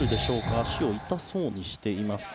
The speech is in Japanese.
足を痛そうにしています。